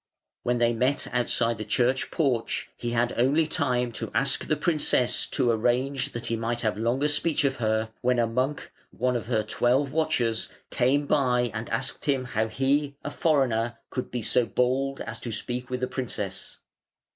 When they met outside the church porch, he had only time to ask the princess to arrange that he might have longer speech of her, when a monk, one of her twelve watchers, came by and asked him how he, a foreigner, could be so bold as to speak with the princess.